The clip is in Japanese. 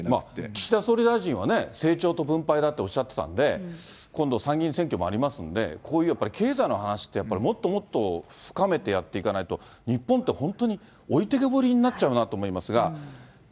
岸田総理大臣は成長と分配だっておっしゃってたんで、今度、参議院選挙もありますんで、こういうやっぱり経済の話ってやっぱりもっともっと深めてやっていかないと、日本って本当に置いてけぼりになっちゃうなと思うんですが。